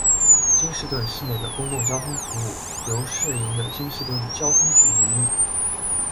京士顿市内的公共交通服务由市营的京士顿交通局营运。